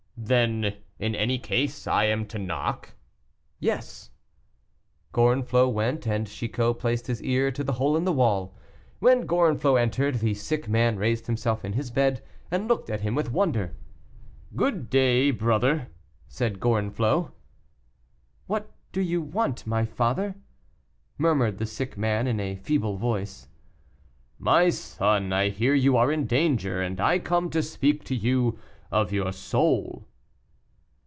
"Then, in any case I am to knock?" "Yes." Gorenflot went, and Chicot placed his ear to the hole in the wall. When Gorenflot entered, the sick man raised himself in his bed, and looked at him with wonder. "Good day, brother," said Gorenflot. "What do you want, my father?" murmured the sick man, in a feeble voice. "My son, I hear you are in danger, and I come to speak to you of your soul."